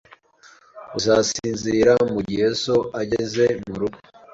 Uzasinzira mugihe so ageze murugo